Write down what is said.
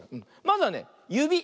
まずはねゆび。